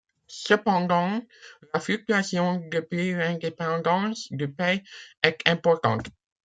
Cependant, la fluctuation depuis l'indépendance du pays est importante.